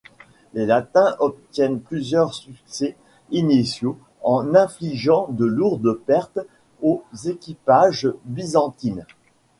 Les Latins obtiennent plusieurs succès initiaux en infligeant de lourdes pertes aux équipages byzantines.